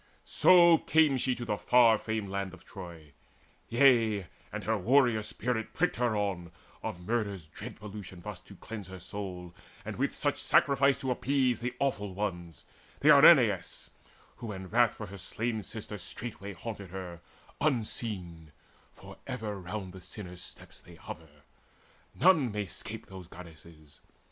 So came she to the far famed land of Troy. Yea, and her warrior spirit pricked her on, Of murder's dread pollution thus to cleanse Her soul, and with such sacrifice to appease The Awful Ones, the Erinnyes, who in wrath For her slain sister straightway haunted her Unseen: for ever round the sinner's steps They hover; none may 'scape those Goddesses.